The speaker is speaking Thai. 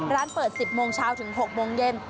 ร้านเปิด๑๐โมงเช้าถึง๖โมงเย็น